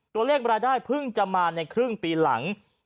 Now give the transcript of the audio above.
ตัวเลขรายได้เพิ่งจะมาในครึ่งปีหลัง